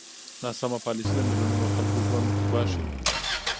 ناسمه پالېسي د میلیونونو خلکو ژوند ګواښي.